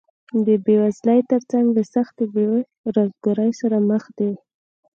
د بېوزلۍ تر څنګ له سختې بېروزګارۍ سره مخ دي